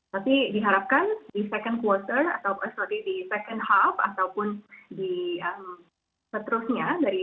tapi diharapkan di second quarter atau sorry di second half ataupun di seterusnya